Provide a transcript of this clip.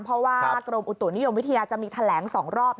เพราะว่ากรมอุตุนิยมวิทยาจะมีแถลง๒รอบ